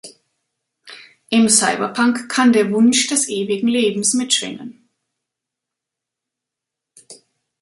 Im Cyberpunk kann der Wunsch des ewigen Lebens mitschwingen.